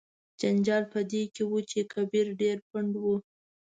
جنجال په دې کې و چې کبیر ډیر پنډ و.